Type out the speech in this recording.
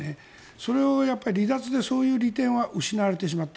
それを離脱で、そういう利点は失われてしまった。